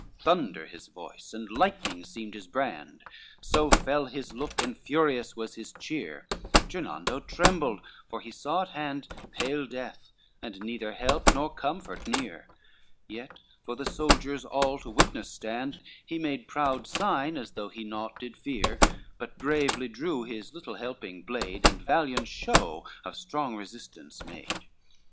XXVII Thunder his voice, and lightning seemed his brand, So fell his look, and furious was his cheer, Gernando trembled, for he saw at hand Pale death, and neither help nor comfort near, Yet for the soldiers all to witness stand He made proud sign, as though he naught did fear, But bravely drew his little helping blade, And valiant show of strong resistance made.